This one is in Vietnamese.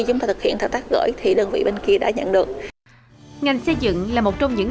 chúng ta thực hiện thao tác gửi thì đơn vị bên kia đã nhận được ngành xây dựng là một trong những